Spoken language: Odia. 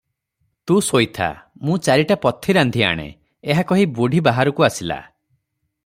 “ତୁ ଶୋଇଥା’, ମୁଁ ଚାରିଟା ପଥି ରାନ୍ଧି ଆଣେଁ,” ଏହା କହି ବୁଢ଼ୀ ବାହାରକୁ ବାହାରି ଆସିଲା ।